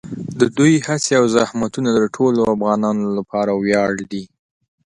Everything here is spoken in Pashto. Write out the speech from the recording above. د دوی هڅې او زحمتونه د ټولو افغانانو لپاره ویاړ دي.